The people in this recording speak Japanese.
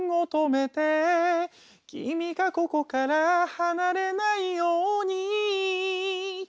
「君がここから離れないように」